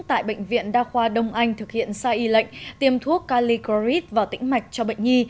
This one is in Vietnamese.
tại bệnh viện đa khoa đông anh thực hiện sai y lệnh tiêm thuốc calicrorid vào tĩnh mạch cho bệnh nhi